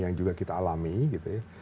yang juga kita alami gitu ya